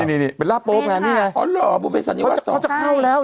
นี่นี่นี่เป็นงานนี่ไงอ๋อเหรอบุเภสันิวาสเขาจะเข้าแล้ว